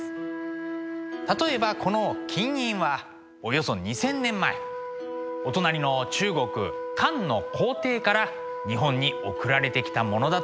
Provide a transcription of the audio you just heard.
例えばこの金印はおよそ２，０００年前お隣の中国漢の皇帝から日本に送られてきたものだといわれていますね。